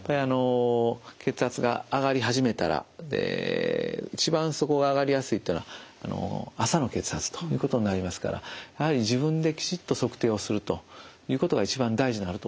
血圧が上がり始めたら一番そこが上がりやすいというのが朝の血圧ということになりますからやはり自分できちっと測定をするということが一番大事になると思います。